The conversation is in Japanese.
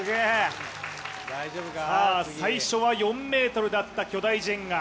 さあ、最初は４ｍだった巨大ジェンガ。